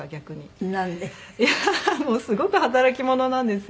いやすごく働き者なんですよ。